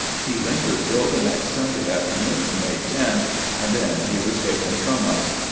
He lingered till the next Sun day afternoon, May 10, and then he was taken from us."